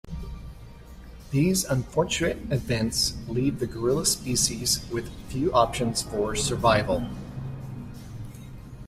These unfortunate events leave the gorilla species with few options for survival.